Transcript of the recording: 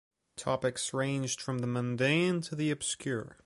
Topics ranged from the mundane to the obscure.